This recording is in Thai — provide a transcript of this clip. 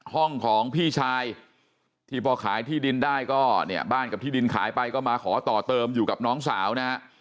ห้องของพี่ชายที่พอขายที่ดินได้ก็เนี่ยบ้านกับที่ดินขายไปก็มาขอต่อเติมอยู่กับน้องสาวนะฮะ